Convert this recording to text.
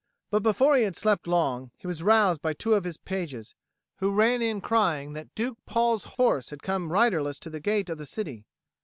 But before he had slept long, he was roused by two of his pages, who ran in crying that Duke Paul's horse had come riderless to the gate of the city.